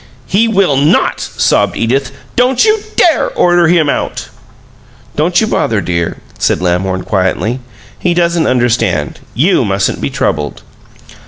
"He will NOT!" sobbed Edith. "Don't you DARE order him out!" "Don't you bother, dear," said Lamhorn, quietly. "He doesn't understand. YOU mustn't be troubled."